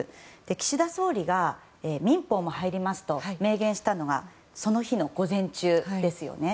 岸田総理が民法も入りますと明言したのはその日の午前中ですよね。